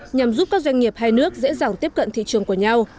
nhằm giúp các doanh nghiệp hai nước dễ dàng tiếp cận thị trường của nhau